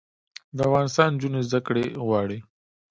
د افغانستان نجونې زده کړې غواړي